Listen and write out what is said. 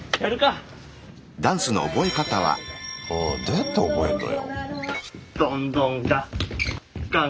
どうやって覚えんのよ？